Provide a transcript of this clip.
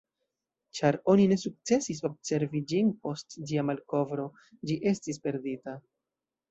Ĉar oni ne sukcesis observi ĝin post ĝia malkovro, ĝi estis perdita.